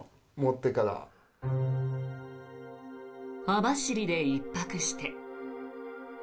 網走で１泊して。